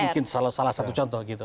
mungkin salah satu contoh gitu